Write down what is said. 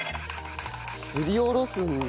すりおろすんだ。